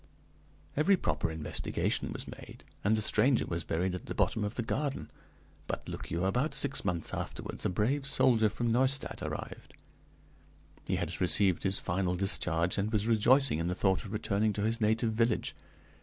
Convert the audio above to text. "Every proper investigation was made, and the stranger was buried at the bottom of the garden. But, look you, about six months afterwards a brave soldier from Neustadt arrived; he had received his final discharge, and was rejoicing in the thought of returning to his native village.